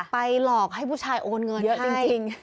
ไปหลอกให้ผู้ชายโอนเงินให้